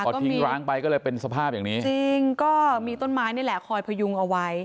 พอทิ้งร้างไปก็เลยเป็นสภาพอย่างนี้จริงก็มีต้นไม้นี่แหละคอยพยุงเอาไว้